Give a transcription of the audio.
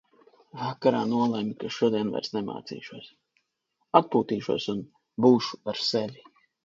Vakarā nolemju, ka šodien vairs nemācīšos. Atpūtīšos un būšu ar sevi.